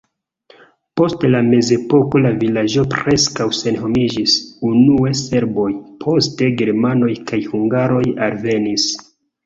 Post la mezepoko la vilaĝo preskaŭ senhomiĝis, unue serboj, poste germanoj kaj hungaroj alvenis.